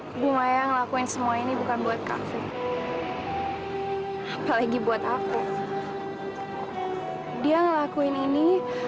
dua puluh delapan flips kayak ngelakuin semua ini bukan buat hai pelegi buat aku dia ngelakuin ini